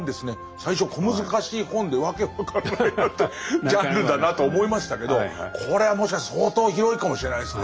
最初小難しい本で訳分からないジャンルだなと思いましたけどこれはもしかしたら相当広いかもしれないですね。